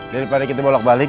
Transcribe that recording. daripada kita bolak balik